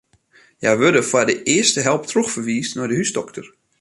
Hja wurde foar de earste help trochferwiisd nei de húsdokter.